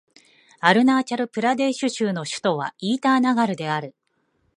アルナーチャル・プラデーシュ州の州都はイーターナガルである